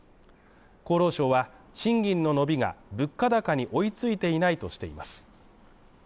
厚労省は、賃金の伸びが物価高に追いついていないとしています。